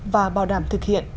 và bảo đảm thực hiện